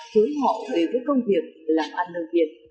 cưới họ về với công việc làm ăn nơi việt